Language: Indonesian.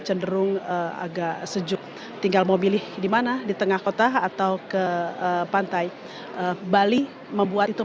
cenderung agak sejuk tinggal mau milih dimana di tengah kota atau ke pantai bali membuat itu